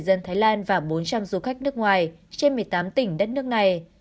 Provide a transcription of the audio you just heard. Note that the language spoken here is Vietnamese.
dân thái lan và bốn trăm linh du khách nước ngoài trên một mươi tám tỉnh đất nước này